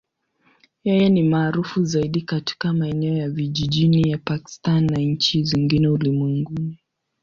Yeye ni maarufu zaidi katika maeneo ya vijijini ya Pakistan na nchi zingine ulimwenguni.